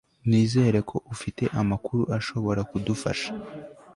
nizera ko ufite amakuru ashobora kudufasha